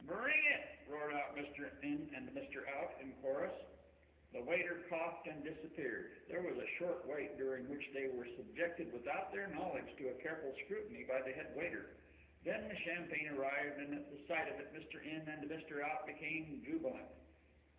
"Bring it!" roared Mr. In and Mr. Out in chorus. The waiter coughed and disappeared. There was a short wait during which they were subjected without their knowledge to a careful scrutiny by the head waiter. Then the champagne arrived, and at the sight of it Mr. In and Mr. Out became jubilant.